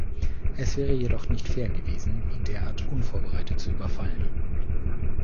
Es wäre jedoch nicht fair gewesen, ihn derart unvorbereitet zu überfallen.